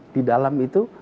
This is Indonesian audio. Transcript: di dalam itu